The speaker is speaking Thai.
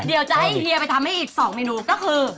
เดี๋ยวจะให้เฮียไปทำให้อีก๒เมนูก็คือ